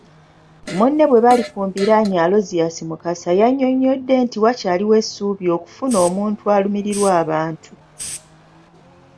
Munne bwe bali ku mbiranye Aloysious Mukasa yannyonnyodde nti wakyaliwo essuubi okufuna omuntu alumirirwa abantu.